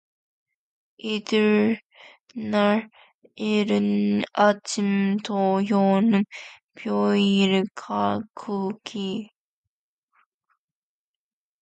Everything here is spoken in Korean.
이튿날 이른 아침 동혁은 평일과 조금도 다름없이 일어나 회관으로 올라가서 기상 나팔을 불었다.